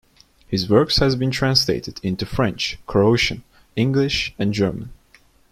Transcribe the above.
His work has been translated into French, Croatian, English, and German.